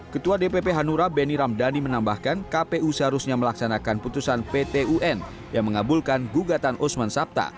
ketua dpp hanura benny ramdhani menambahkan kpu seharusnya melaksanakan putusan pt un yang mengabulkan gugatan osman sabta